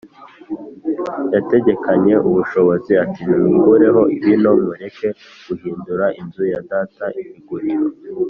yategekanye ubushobozi ati: ‘nimukureho bino, mureke guhindura inzu ya data iguriro’